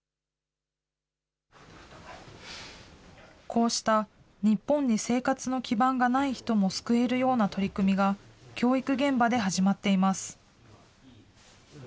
こうした日本に生活の基盤がない人も救えるような取り組みが、教育現場で始まっています。